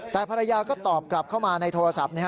แต่ภรรยาก็ตอบกลับเข้ามาในโทรศัพท์